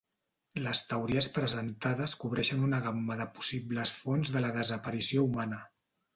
Les teories presentades cobreixen una gamma de possibles fonts de la desaparició humana.